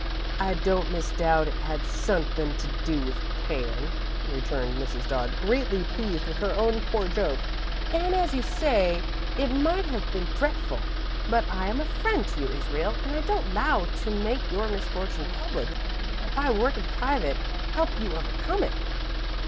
"I don't misdoubt it had sunthin' to do with payin'," returned Mrs. Dodd, greatly pleased with her own poor joke, "an', as you say, it might have been dretful. But I am a friend to you, Israel, an' I don't 'low to make your misfortune public, but, by workin' private, help you overcome it."